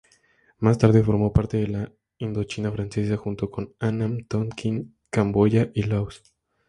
Más tarde formó parte de Indochina Francesa, junto con Annam, Tonkín, Camboya y Laos.